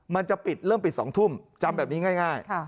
มันจะปิดเริ่มปิด๒ทุ่มจำแบบนี้ง่าย